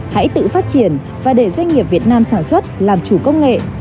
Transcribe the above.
hãy tự phát triển và để doanh nghiệp việt nam sản xuất làm chủ công nghệ